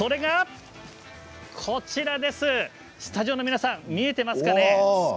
スタジオの皆さん見えていますかね。